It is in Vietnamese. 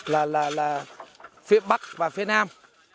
là là là phía bắc và phía nam